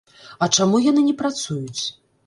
А чаму яны не працуюць?